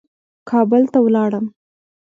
کابل ته ولاړم.